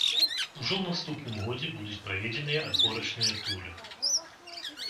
Ужо ў наступным годзе будуць праведзеныя адборачныя туры.